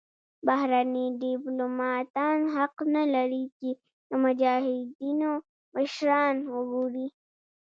بهرني دیپلوماتان حق نلري چې د مجاهدینو مشران وګوري.